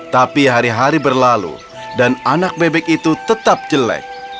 tapi hari hari berlalu dan anak bebek itu tetap jelek